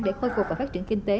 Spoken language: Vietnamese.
để khôi phục và phát triển kinh tế